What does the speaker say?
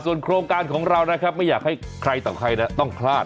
ส่วนโครงการของเรานะครับไม่อยากให้ใครต่อใครต้องพลาด